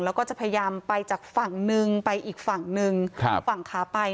แล้วก็จะพยายามไปจากฝั่งนึงไปอีกฝั่งหนึ่งฝั่งขาไป